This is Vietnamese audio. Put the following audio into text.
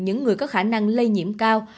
những người có khả năng lây nhiễm cao